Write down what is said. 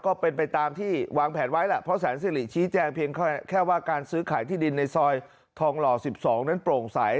ก็เป็นไปตามที่วางแผนไว้แหละเพราะแสนสิริชี้แจงเพียงแค่ว่าการซื้อขายที่ดินในซอยทองหล่อ๑๒นั้นโปร่งใส